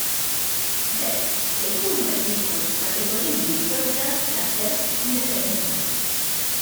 B'hekk se jkunu qed jinħolqu kategoriji ġodda ta' sess indeterminat.